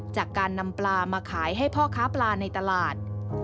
จากการนำปลามาขายให้พ่อค้าปลาในตลาด